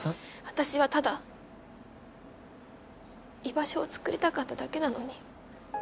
私はただ居場所を作りたかっただけなのに。